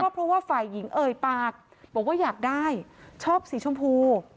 เพราะว่าฝ่ายหญิงเอ่ยปากบอกว่าอยากได้ชอบสีชมพู